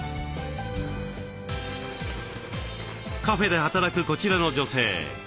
カフェで働くこちらの女性。